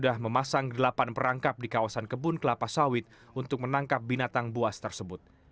sudah memasang delapan perangkap di kawasan kebun kelapa sawit untuk menangkap binatang buas tersebut